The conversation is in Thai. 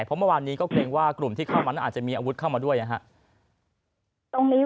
เพราะเมื่อวานนี้ก็เกรงว่ากลุ่มที่เข้ามานั้นอาจจะมีอาวุธเข้ามาด้วยนะครับ